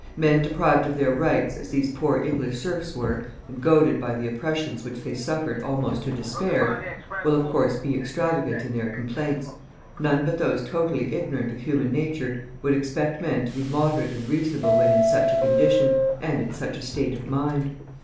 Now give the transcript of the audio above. Men deprived of their rights, as these poor English serfs were, and goaded by the oppressions which they suffered almost to despair, will, of course, be extravagant in their complaints. None but those totally ignorant of human nature would expect men to be moderate and reasonable when in such a condition, and in such a state of mind.